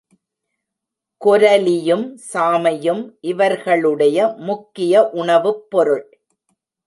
கொரலியும், சாமையும் இவர்களுடைய முக்கிய உணவுப் பொருள்.